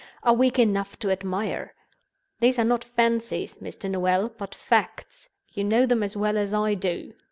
_) are weak enough to admire. These are not fancies, Mr. Noel, but facts; you know them as well as I do."